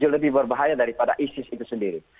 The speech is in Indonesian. lebih berbahaya daripada isis itu sendiri